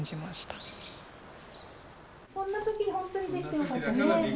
こんな時に本当にできてよかったです。